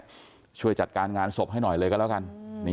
ส่วนผู้ตายเนี่ยช่วยจัดการงานศพให้หน่อยเลยก็แล้วกัน